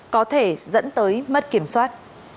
có thể dẫn tới mất kiểm soát